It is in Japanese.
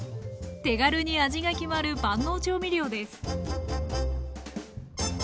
手軽に味が決まる万能調味料です